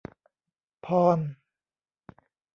พร